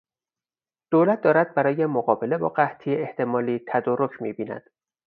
دولت دارد برای مقابله با قحطی احتمالی تدارک میبیند.